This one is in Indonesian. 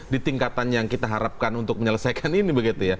di tingkatan yang kita harapkan untuk menyelesaikan ini